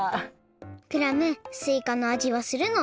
クラムすいかのあじはするの？